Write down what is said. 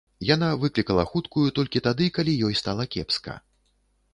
Яна выклікала хуткую толькі тады, калі ёй стала кепска.